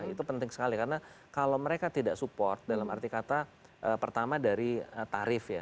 itu penting sekali karena kalau mereka tidak support dalam arti kata pertama dari tarif ya